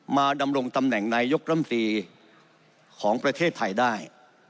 ดำรงตำแหน่งนายกรัมตรีของประเทศไทยได้